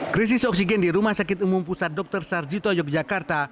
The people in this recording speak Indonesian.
krisis oksigen di rumah sakit umum pusat dr sarjito yogyakarta